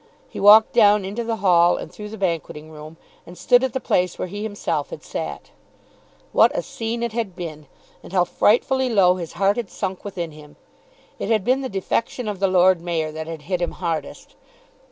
He walked down into the hall, and through the banqueting room, and stood at the place where he himself had sat. What a scene it had been, and how frightfully low his heart had sunk within him! It had been the defection of the Lord Mayor that had hit him hardest.